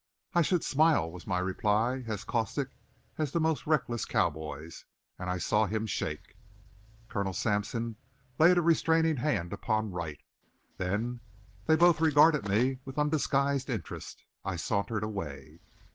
"I should smile," was my reply, as caustic as the most reckless cowboy's, and I saw him shake. Colonel Sampson laid a restraining hand upon Wright. Then they both regarded me with undisguised interest. I sauntered away.